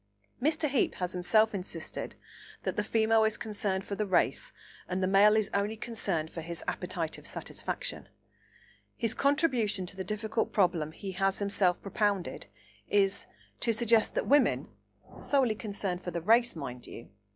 Mr. Heape has himself insisted that the female is concerned for the race and the male is only concerned for his appetitive satisfaction. His contribution to the difficult problem he has himself propounded is, to suggest that women (solely concerned for the race, mind you!)